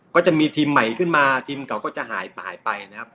ก็จะมีทีมใหม่ขึ้นมาทีมเขาก็จะหายไปนะครับ